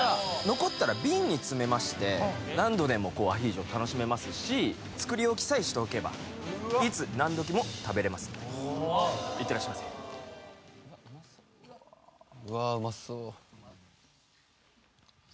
残ったら瓶に詰めまして何度でもアヒージョを楽しめますし作り置きさえしておけばいつ何時も食べれますいってらっしゃいませわあ